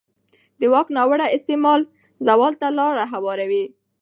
د واک ناوړه استعمال زوال ته لاره هواروي